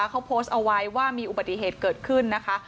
เขาโพสต์เอาไว้ว่ามีอุบัติเหตุเกิดขึ้นนะคะ